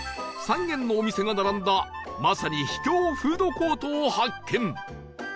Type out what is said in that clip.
３軒のお店が並んだまさに秘境フードコートを発見